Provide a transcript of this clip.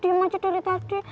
diam aja dari tadi